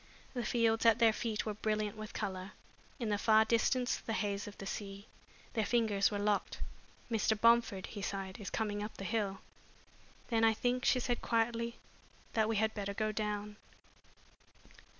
The fields at their feet were brilliant with color; in the far distance the haze of the sea. Their fingers were locked. "Mr. Bomford," he sighed, "is coming up the hill." "Then I think," she said quietly, "that we had better go down!"